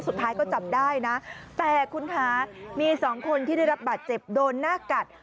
สุดท้ายก็จับได้นะแต่คุณคะมีสองคนที่ได้รับบาดเจ็บโดนหน้ากัด